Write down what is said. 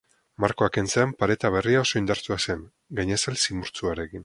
Markoa kentzean, pareta berria oso indartsua zen, gainazal zimurtsuarekin.